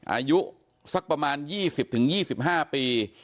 อายุสักประมาณ๒๐๒๕ปี